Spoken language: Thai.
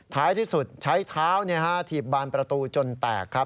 ท้ายที่สุดใช้เท้าถีบบานประตูจนแตกครับ